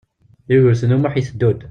Yugurten U Muḥ iteddu-d.